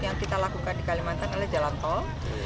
yang kita lakukan di kalimantan adalah jalan tol